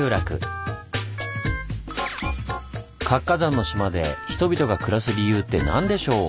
活火山の島で人々が暮らす理由って何でしょう？